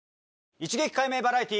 一撃解明バラエティ。